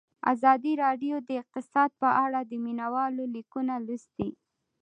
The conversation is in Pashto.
ازادي راډیو د اقتصاد په اړه د مینه والو لیکونه لوستي.